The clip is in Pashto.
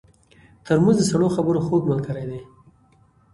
ترموز د سړو خبرو خوږ ملګری دی.